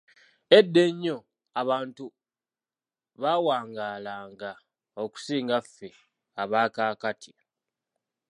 Edda ennyo abantu baawangaalanga okusinga ffe abakaakati.